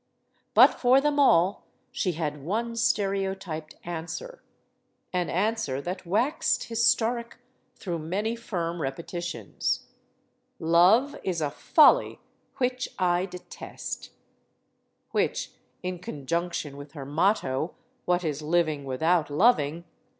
But for them all she had one stereotyped answer; an answer that waxed historic through many firm repetitions: "Love is a folly which I detest 1" Which, in conjunction with her motto, "What is living without loving?"